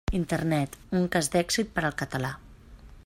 Internet, un cas d'èxit per al català.